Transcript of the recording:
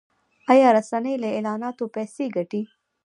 آیا رسنۍ له اعلاناتو پیسې ګټي؟